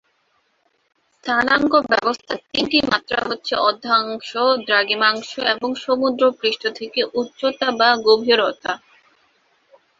স্থানাঙ্ক ব্যবস্থার তিনটি মাত্রা হচ্ছে অক্ষাংশ, দ্রাঘিমাংশ এবং সমুদ্রপৃষ্ঠ থেকে উচ্চতা বা গভীরতা।